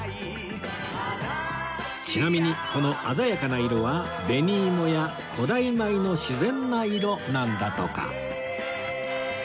ちなみにこの鮮やかな色は紅芋や古代米の自然な色なんだとか